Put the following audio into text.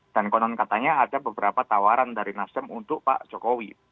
dan konon katanya ada beberapa tawaran dari nasdem untuk pak jokowi